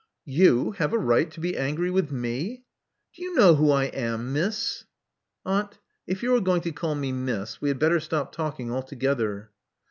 " Vou have a right to be angry with me/ Do you know who I am, Miss?" "Aunt, if you are going to call me *Miss,' we had better stop talking altogether."